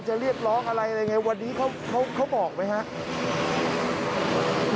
เรียกร้องอะไรอะไรไงวันนี้เขาบอกไหมครับ